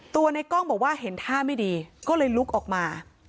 ในกล้องบอกว่าเห็นท่าไม่ดีก็เลยลุกออกมา